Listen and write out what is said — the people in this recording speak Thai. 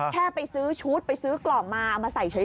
แค่ไปซื้อชุดไปซื้อกล่องมาเอามาใส่เฉย